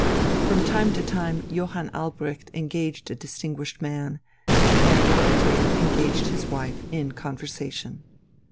From time to time Johann Albrecht engaged a distinguished man, and Dorothea engaged his wife, in conversation.